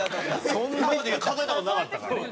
今まで数えた事なかったから。